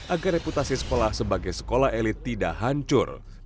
agar reputasi sekolah sebagai sekolah elit tidak hancur